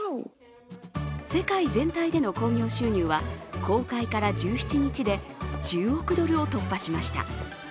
世界全体での興行収入は公開から１７日で１０億ドルを突破しました。